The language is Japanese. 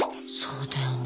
そうだよね。